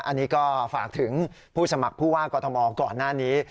อันนี้ก็ฝากถึงผู้สมัครผู้ว่ากอทมก่อนหน้านี้